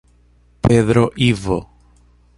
Pedro Ivo